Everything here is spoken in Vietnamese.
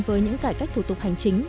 với những cải cách thủ tục hành chính